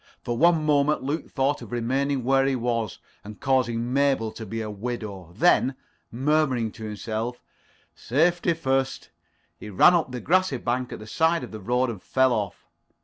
For one moment Luke thought of remaining where he was, and causing Mabel to be a widow. Then, murmuring to himself, "Safety first," he ran up the grassy slope at the side of the road and fell off.